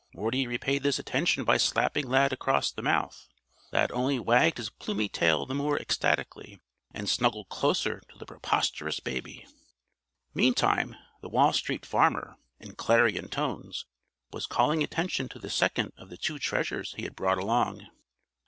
Morty repaid this attention by slapping Lad across the mouth. Lad only wagged his plumy tail the more ecstatically and snuggled closer to the preposterous baby. Meantime, the Wall Street Farmer, in clarion tones, was calling attention to the second of the two treasures he had brought along.